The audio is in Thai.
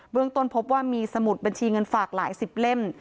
ต้นพบว่ามีสมุดบัญชีเงินฝากหลายสิบเล่ม